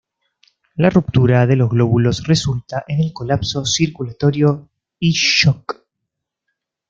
La ruptura de los glóbulos resulta en el colapso circulatorio y shock.